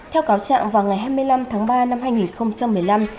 theo cáo trạng vào ngày hai mươi năm tháng ba năm hai nghìn một mươi năm